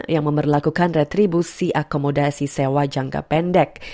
yang memperlakukan retribusi akomodasi sewa jangka pendek